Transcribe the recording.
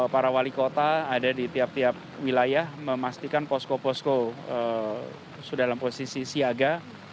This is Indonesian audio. para wali kota ada di tiap tiap wilayah memastikan posko posko sudah dalam posisi siaga